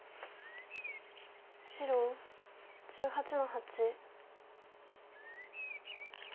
白１８の八。